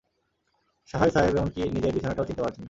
সাহায় সাহেব এমনকি নিজের বিছানাটাও চিনতে পারছেন না।